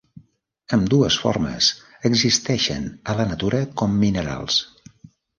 Ambdues formes existeixen a la natura com minerals.